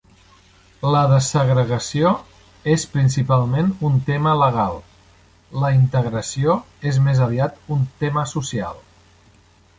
La desegregació és principalment un tema legal, la integració és més aviat un tema social.